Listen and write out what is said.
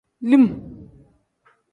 Lim.